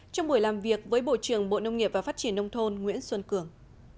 trong buổi làm việc với bộ trưởng bộ nông nghiệp và phát triển nông thôn nguyễn xuân cường